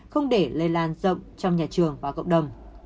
không để lây lan rộng trong nhà trường và cộng đồng